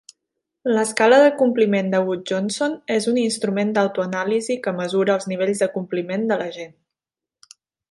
L'escala de compliment de Gudjonsson és un instrument d'autoanàlisi que mesura els nivells de compliment de la gent.